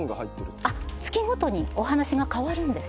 月ごとにお話が変わるんです。